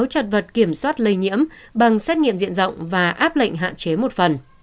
họ đã kiểm soát lây nhiễm bằng xét nghiệm diện rộng và áp lệnh hạn chế một phần